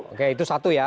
oke itu satu ya